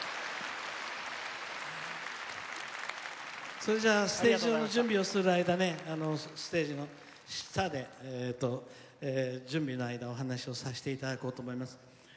それじゃ、ステージ上の準備をしてる間ステージの下で準備の間お話をさせていただこうと思います。